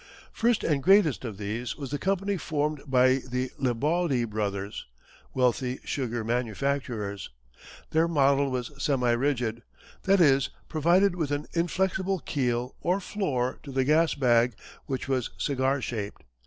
First and greatest of these was the company formed by the Lebaudy Brothers, wealthy sugar manufacturers. Their model was semi rigid, that is, provided with an inflexible keel or floor to the gas bag, which was cigar shaped.